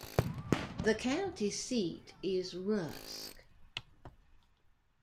The county seat is Rusk.